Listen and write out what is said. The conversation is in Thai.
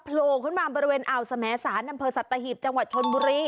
โผล่ขึ้นมาบริเวณอ่าวสมสารอำเภอสัตหีบจังหวัดชนบุรี